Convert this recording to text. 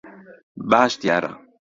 باش دیارە.